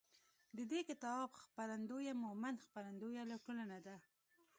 د دې کتاب خپرندویه مومند خپروندویه ټولنه ده.